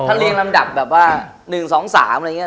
เลี่ยงลำดับแบบว่า๑๒๓อะไรอย่างนี้